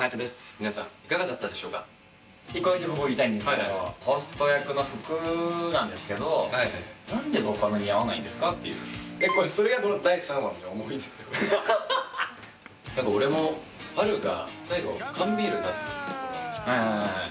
皆さんいかがだったでしょうか一個だけ僕言いたいんですけどホスト役の服なんですけどなんで僕あんな似合わないんですかっていうそれがこの第３話の思い出ってこと俺もハルが最後缶ビール出すところあるじゃん